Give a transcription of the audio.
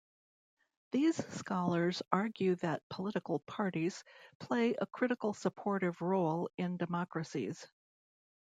These scholars argue that political parties play a critical supportive role in democracies.